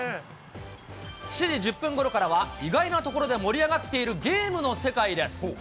７時１０分ごろからは意外なところで盛り上がっているゲームの世界です。